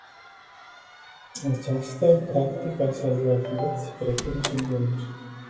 Această practică a salvat vieți, precum și bunuri.